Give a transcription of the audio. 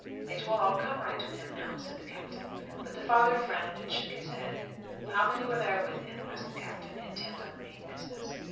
"It will all come right with him now," said the Captain. But the father frowned and shook his head. "How many were there with him?" asked the Captain, intent on the main business.